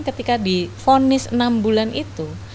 ketika difonis enam bulan itu